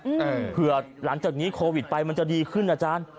อืมเผื่อหลังจากนี้โควิดไปมันจะดีขึ้นอาจารย์